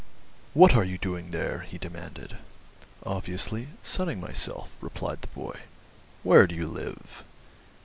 "What are you doing there?" he demanded. "Obviously, sunning myself," replied the boy. "Where do you live?"